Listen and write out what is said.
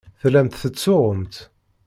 Tellamt tettsuɣumt.